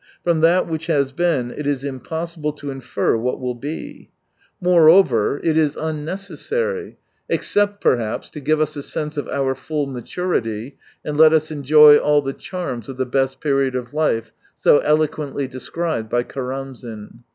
From that which has bee;n it is impossible to infer what will be. Moreover, M 177 it is unnecessary — except, perhaps, to give us a sense of our full maturity and let us enjoy all the charms of the best period of life, so eloquently described by Karamzin.